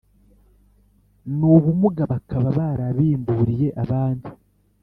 N ubumuga bakaba barabimburiye abandi